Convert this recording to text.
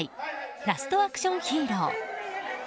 「ラスト★アクションヒーロー」。